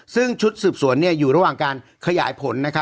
ซึ่งชุดสืบสวนอยู่ระหว่างการขยายผล